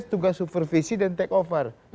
tugas supervisi dan take over